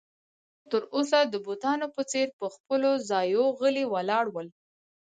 خلک تر اوسه د بتانو په څېر پر خپلو ځایو غلي ولاړ ول.